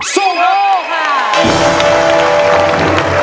สู้ครับ